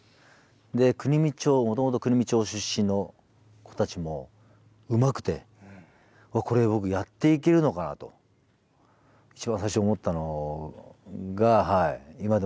で国見町もともと国見町出身の子たちもうまくてこれ僕やっていけるのかなと一番最初に思ったのが今でも思い出せますね。